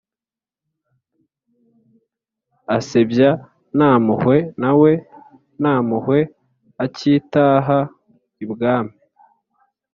asebya ntamhuhwe, nawe ntampuhwe akitaha ibwami